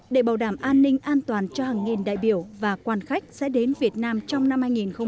để bảo đảm an ninh an toàn cho hàng nghìn đại biểu và quan khách sẽ đến việt nam trong năm hai nghìn hai mươi